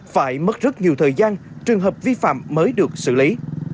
phải mất rất nhiều thời gian trường hợp vi phạm mới được xử lý